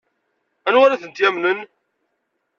Anwa ara tent-yamnen?